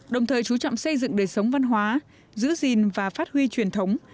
đồng thời chú trọng xây dựng đời sống văn hóa giữ gìn và phát huy truyền thống